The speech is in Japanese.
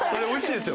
おいしい。